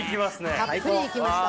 たっぷり行きました。